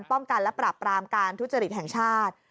ป้องกันและปรับปรามการทุจริตแห่งชาติ